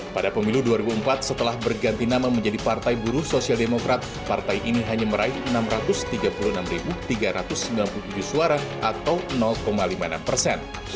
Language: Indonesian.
pada pemilu dua ribu empat setelah berganti nama menjadi partai buruh sosial demokrat partai ini hanya meraih enam ratus tiga puluh enam tiga ratus sembilan puluh tujuh suara atau lima puluh enam persen